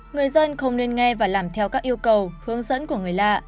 người dân không nên nghe và làm theo các yêu cầu hướng dẫn của người lạ